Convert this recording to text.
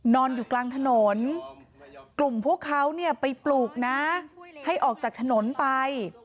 นอนอยู่กลางถนนกลุ่มพวกเขาเนี่ยไปปลูกนะให้ออกจากถนนไป